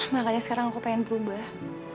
makanya sekarang aku pengen berubah